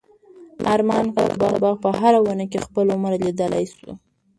ارمان کاکا د باغ په هره ونه کې خپل عمر لیدلی شو.